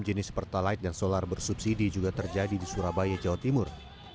jenis pertalite dan solar bersubsidi juga terjadi di surabaya jawa timur